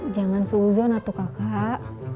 jangan suhuzon atuh kakak